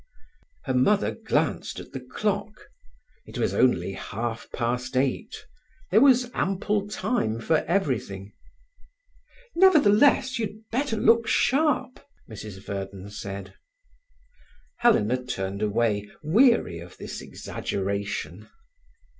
Her mother glanced at the clock. It was only half past eight. There was ample time for everything. "Nevertheless, you'd better look sharp," Mrs Verden said. Helena turned away, weary of this exaggeration.